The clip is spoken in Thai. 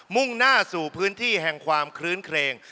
มุ่งหน้าสู่พื้นที่แห่งความคลื้นเครง